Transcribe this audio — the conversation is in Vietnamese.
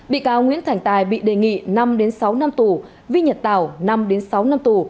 bị cáo nguyễn thành tài bị đề nghị năm sáu năm tù vy nhật tàu năm sáu năm tù